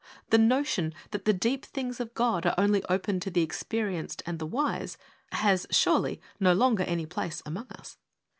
The notion that the deep things of God are only open to the experienced and the wise, has, surely, no longer any place among us.